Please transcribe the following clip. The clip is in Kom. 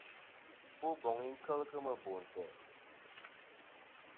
I Boboŋ i boŋ kel kemɨ bò ntè'.